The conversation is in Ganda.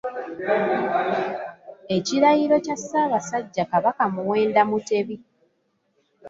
Ekirayiro kya Ssabasajja Kabaka Muwenda Mutebi